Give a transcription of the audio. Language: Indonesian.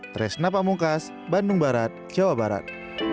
tresna pamungkas bandung barat jawa barat